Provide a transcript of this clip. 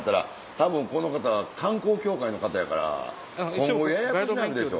たぶんこの方は観光協会の方やから今後ややこしなるでしょ。